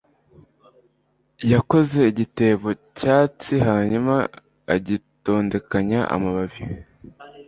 yakoze igitebo cyatsi hanyuma agitondekanya amababi